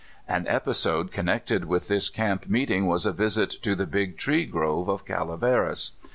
An episode connected with this camp meeting was a visit to the Big Tree Grove of Calaveras.